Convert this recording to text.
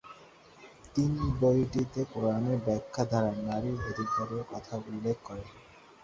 তিনি বইটিতে কুরআনের ব্যাখ্যা দ্বারা নারীর অধিকারের কথা উল্লেখ করেন।